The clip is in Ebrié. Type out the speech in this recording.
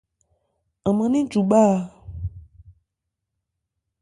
An man nɛ́n n cu má a.